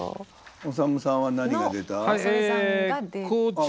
おさむさんは何が出た？